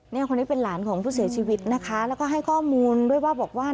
คนนี้เป็นหลานของผู้เสียชีวิตนะคะแล้วก็ให้ข้อมูลด้วยว่าบอกว่า